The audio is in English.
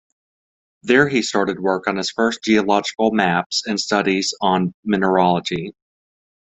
There he started working on his first geological maps and studies on mineralogy.